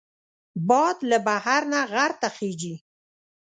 باد له بحر نه غر ته خېژي